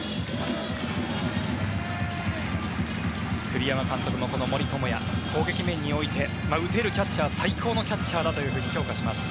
栗山監督もこの森友哉攻撃面において打てるキャッチャー最高のキャッチャーだと評価します。